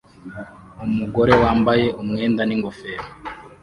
Umugore wambaye umwenda n'ingofero